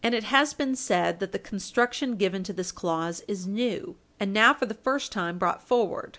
It has been said that the construction given to this clause is new, and now for the first time brought forward.